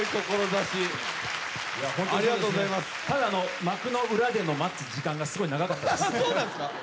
ただ、幕の裏での待つ時間がすごく長かったです。